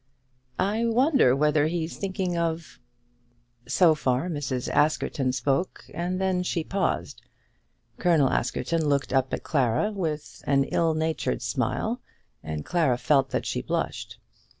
"I wonder whether he's thinking of " So far Mrs. Askerton spoke, and then she paused. Colonel Askerton looked up at Clara with an ill natured smile, and Clara felt that she blushed.